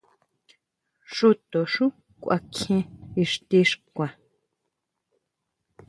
Xúto xú kuakjien ixti xkua.